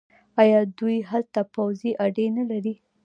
آیا دوی هلته پوځي اډې نلري؟